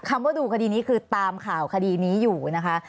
คำว่าดูคดีนี้คือตามข่าวคดีนี้อยู่นะคะ